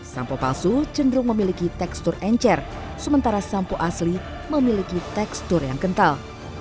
sampo palsu cenderung memiliki tekstur encer sementara sampo asli memiliki tekstur yang kental